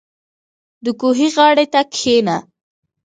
• د کوهي غاړې ته کښېنه.